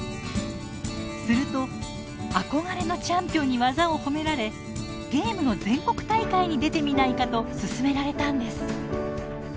すると憧れのチャンピオンに技を褒められ「ゲームの全国大会に出てみないか」と勧められたんです。